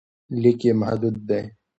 لیک یې محدود دی.